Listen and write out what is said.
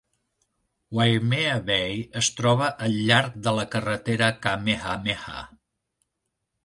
Waimea Bay es troba al llarg de la carretera Kamehameha.